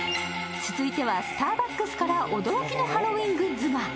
続いてはスターバックスから驚きのハロウィーングッズが。